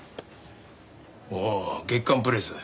おお『月刊プレス』。